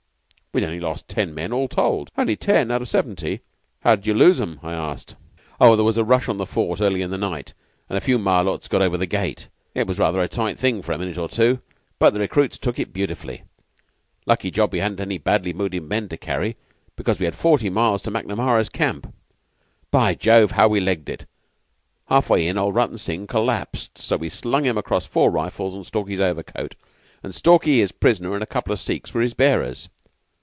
We'd only lost ten men, all told." "Only ten, out of seventy. How did you lose 'em?" I asked. "Oh, there was a rush on the fort early in the night, and a few Malôts got over the gate. It was rather a tight thing for a minute or two, but the recruits took it beautifully. Lucky job we hadn't any badly wounded men to carry, because we had forty miles to Macnamara's camp. By Jove, how we legged it! Half way in, old Rutton Singh collapsed, so we slung him across four rifles and Stalky's overcoat; and Stalky, his prisoner, and a couple of Sikhs were his bearers.